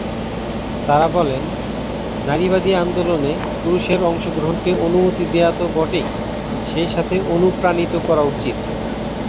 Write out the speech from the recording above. তারা বলেন, নারীবাদী আন্দোলনে পুরুষের অংশগ্রহণকে অনুমতি দেয়া তো বটেই, সেই সাথে অনুপ্রাণিত করা উচিত।